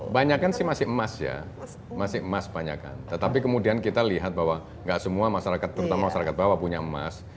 banyakan sih masih emas ya masih emas banyakan tetapi kemudian kita lihat bahwa nggak semua masyarakat terutama masyarakat bawah punya emas